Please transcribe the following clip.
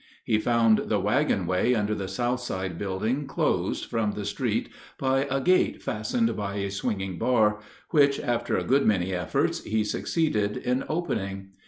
He found the wagon way under the south side building closed from the street by a gate fastened by a swinging bar, which, after a good many efforts, he succeeded in opening.